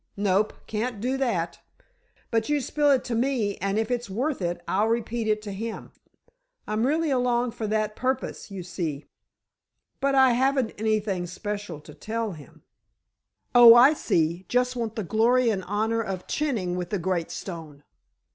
"Nope; can't do that. But you spill it to me, and if it's worth it, I'll repeat it to him. I'm really along for that very purpose, you see." "But I haven't anything special to tell him——" "Oh, I see! Just want the glory and honor of chinning with the great Stone!"